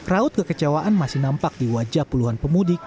raut kekecewaan masih nampak di wajah puluhan pemudik